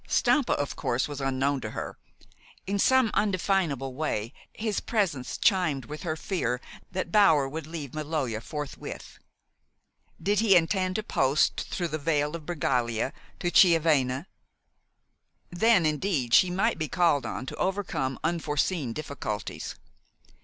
Stampa, of course, was unknown to her. In some indefinable way his presence chimed with her fear that Bower would leave Maloja forthwith. Did he intend to post through the Vale of Bregaglia to Chiavenna? Then, indeed, she might be called on to overcome unforeseen difficulties.